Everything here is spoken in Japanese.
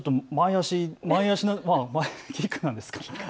前足のキックですかね。